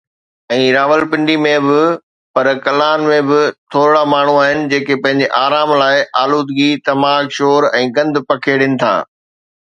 ۽ راولپنڊي ۾ به، پر ڪلان ۾ به ٿورڙا ماڻهو آهن جيڪي پنهنجي آرام لاءِ آلودگي، تماڪ، شور ۽ گند پکيڙين ٿا.